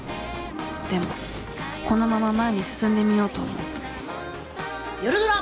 でもこのまま前に進んでみようと思う夜ドラ！